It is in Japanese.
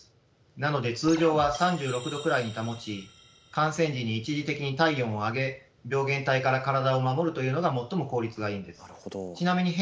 なので通常は３６℃くらいに保ち感染時に一時的に体温を上げ病原体から体を守るというのが最も効率がいいんです。